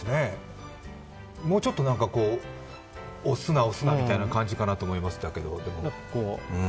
もうちょっと押すな、押すなみたいな感じかなと思いましたけど。